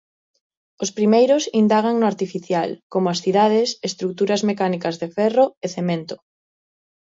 Os primeiros indagan no artificial: como as cidades, estruturas mecánicas de ferro e cemento.